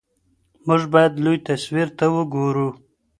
موږ باید لوی تصویر ته وګورو.